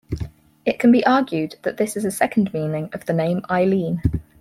It can be argued that this is a second meaning of the name Eileen.